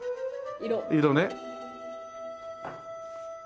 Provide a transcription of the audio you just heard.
色ね。